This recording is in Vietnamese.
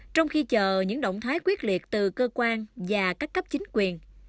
trong khi chờ những động thái quyết liệt từ cơ quan và các cấp chính quyền